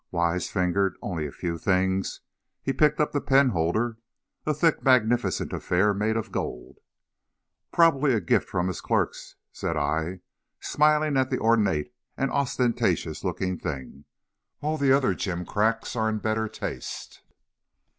Wise fingered only a few things. He picked up the penholder, a thick magnificent affair made of gold. "Probably a gift from his clerks," said I, smiling at the ornate and ostentatious looking thing. "All the other gimcracks are in better taste."